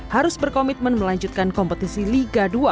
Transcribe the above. harus berkomitmen melanjutkan kompetisi liga dua